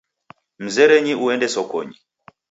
Mzerenyi uende sokonyi